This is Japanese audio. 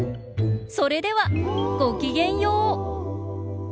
それではごきげんよう。